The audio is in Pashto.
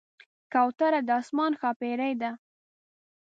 کوتره د آسمان ښاپېرۍ ده.